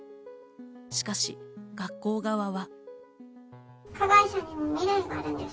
しかし学校側は。